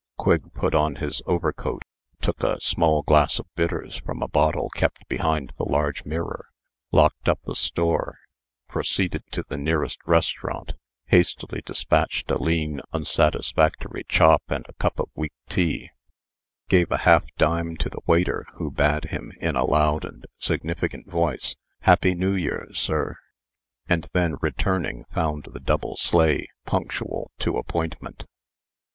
Quigg put on his overcoat, took a small glass of bitters from a bottle kept behind the large mirror, locked up the store, proceeded to the nearest restaurant, hastily despatched a lean, unsatisfactory chop and a cup of weak tea, gave a half dime to the waiter who bade him, in a loud and significant voice, "Happy New Year, sir," and then returning found the double sleigh punctual to appointment.